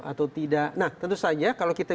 atau tidak nah tentu saja kalau kita